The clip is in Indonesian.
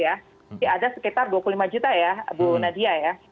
jadi ada sekitar dua puluh lima juta ya bu nadia ya